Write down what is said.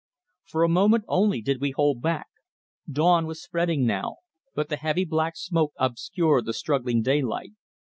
For a moment only did we hold back. Dawn was spreading now, but the heavy black smoke obscured the struggling daylight.